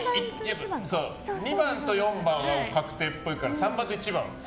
２番と４番は確定っぽいから３番と１番。